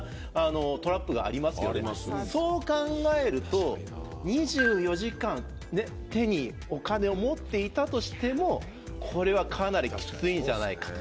そう考えると２４時間手にお金を持っていたとしてもこれはかなりきついんじゃないかと。